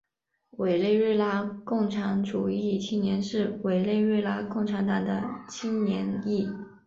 委内瑞拉共产主义青年是委内瑞拉共产党的青年翼。